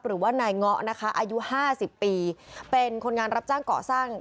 หรือว่านายเงาะนะคะอายุห้าสิบปีเป็นคนงานรับจ้างเกาะสร้าง